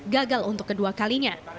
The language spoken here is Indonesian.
gagal untuk kedua kalinya